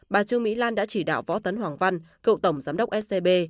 bà trương mỹ lan đã chỉ đạo võ tấn hoàng văn cựu tổng giám đốc scb